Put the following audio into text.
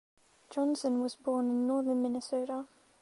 Johnson was born in Northern Minnesota.